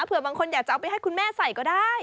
เผื่อบางคนอยากจะเอาไปให้คุณแม่ใส่ก็ได้